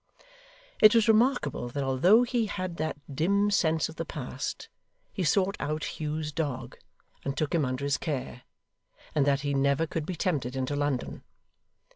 It was remarkable that although he had that dim sense of the past, he sought out Hugh's dog, and took him under his care; and that he never could be tempted into London.